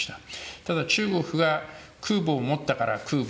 ただ、中国が空母を持ったから空母、